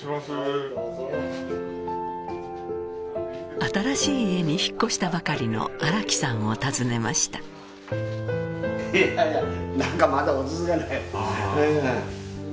はいどうぞ新しい家に引っ越したばかりの荒木さんを訪ねました何かまだ落ち着かないああ